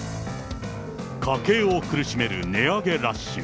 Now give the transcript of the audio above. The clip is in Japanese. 家計を苦しめる値上げラッシュ。